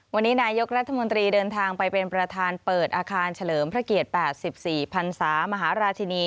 วันนี้นายกรัฐมนตรีเดินทางไปเป็นประธานเปิดอาคารเฉลิมพระเกียรติ๘๔พันศามหาราชินี